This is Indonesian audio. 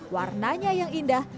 warnanya yang indah